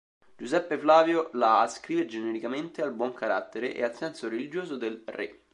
Giuseppe Flavio la ascrive genericamente al buon carattere e al senso religioso del re.